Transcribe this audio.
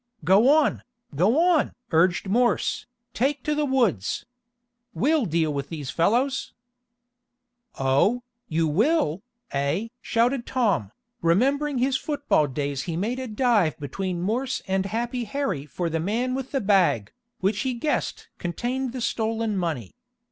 "Go on! Go on!" urged Morse. "Take to the woods! We'll deal with these fellows!" "Oh, you will, eh?" shouted Tom, and remembering his football days he made a dive between Morse and Happy Harry for the man with the bag, which he guessed contained the stolen money.